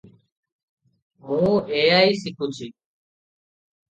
ମୁଁ ଏଆଇ ଶିଖୁଛି।